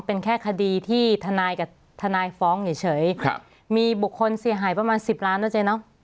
เป็นแค่คดีที่ทนายกับทนายฟ้องเฉยครับมีบุคคลเสียหายประมาณสิบล้านนะเจ๊เนอะ